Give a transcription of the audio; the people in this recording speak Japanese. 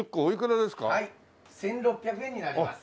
１６００円になります。